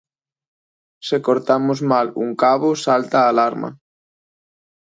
Se cortamos mal un cabo salta a alarma